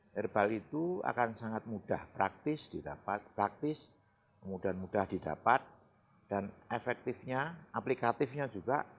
herbal itu akan sangat mudah praktis mudah didapat dan efektifnya aplikatifnya juga